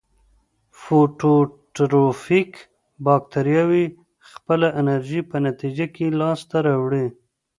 فوتوټروفیک باکتریاوې خپله انرژي په نتیجه کې لاس ته راوړي.